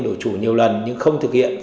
đội chủ nhiều lần nhưng không thực hiện